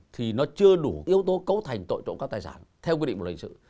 thì nó chưa đủ yếu tố cấu thành tội trộm các tài sản theo quy định của luật hình sự